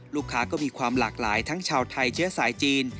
ลูกค้าก็มีความหลากหลายทั้งชาวไทยเชื้อสายจีน